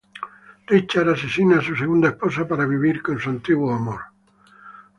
Richard asesina a su segunda esposa para vivir con su antiguo amor.